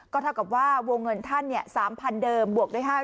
เท่ากับว่าวงเงินท่าน๓๐๐เดิมบวกด้วย๕๐๐